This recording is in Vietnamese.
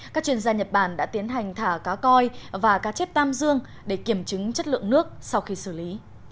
các chuyên gia nhật bản đã tiến hành thả cá coi và cá chép tam dương để kiểm chứng chất lượng nước sau khi xử lý